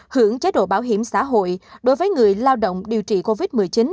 hưởng chế độ bảo hiểm xã hội đối với người lao động điều trị covid một mươi chín